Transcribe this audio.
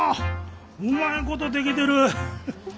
うまいこと出来てる。